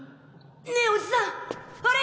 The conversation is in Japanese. ねえおじさんあれ！